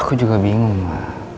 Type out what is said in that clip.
aku juga bingung ma